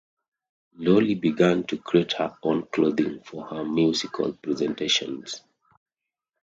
Lolly began to create her own clothing for her musical presentations.